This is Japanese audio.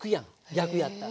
逆やったら。